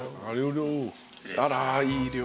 あらいい量。